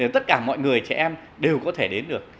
tất cả mọi người trẻ em đều có thể đến được